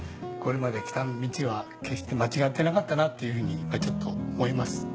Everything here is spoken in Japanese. これまできた道は決して間違ってなかったなっていう風にやっぱりちょっと思います。